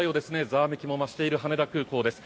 ざわめきも増している羽田空港です。